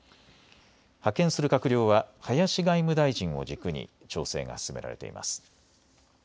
派遣する閣僚は林外務大臣を軸に調整が進められています。